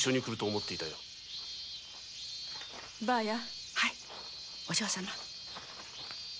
はいお嬢様。